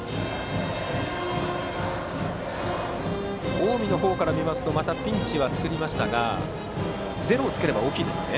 近江の方からみますとピンチは作りましたがゼロをつければ大きいですね。